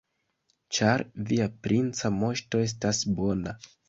Ĉar via princa moŝto estas bona.